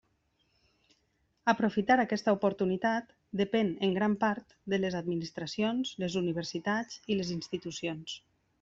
Aprofitar aquesta oportunitat depèn en gran part de les administracions, les universitats i les institucions.